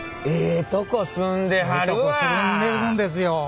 ええとこ住んでるんですよ。